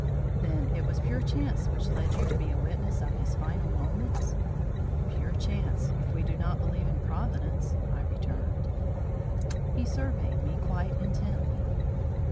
"Then it was pure chance which led you to be a witness of his final moments?" "Pure chance, if we do not believe in Providence," I returned. He surveyed me quite intently.